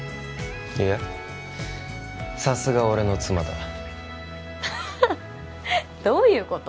いやさすが俺の妻だハッハどういうこと？